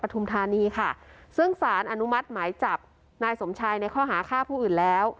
ทุมธานีค่ะซึ่งสารอนุมัติหมายจับนายสมชายในข้อหาฆ่าผู้อื่นแล้ว